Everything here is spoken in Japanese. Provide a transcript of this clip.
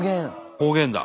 方言だ。